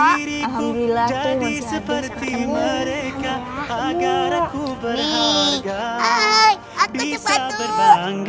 alhamdulillah aku masih sehat